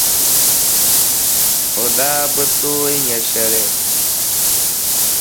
O daa bi tooi nya shɛli.